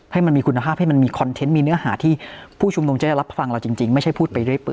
ให้มันมีคุณภาพให้มันมีคอนเทนต์มีเนื้อหาที่ผู้ชุมนุมจะได้รับฟังเราจริงไม่ใช่พูดไปเรื่อยเปื